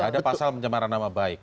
ada pasal pencemaran nama baik